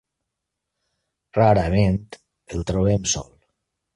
Rarament el trobem sol.